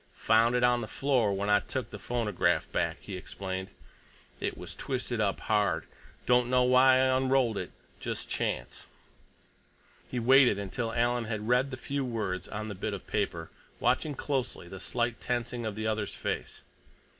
"Found it on the floor when I took the phonograph back," he explained. "It was twisted up hard. Don't know why I unrolled it. Just chance." He waited until Alan had read the few words on the bit of paper, watching closely the slight tensing of the other's face.